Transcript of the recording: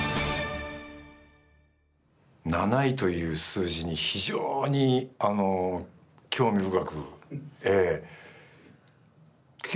７位という数字に非常にあの興味深くええ。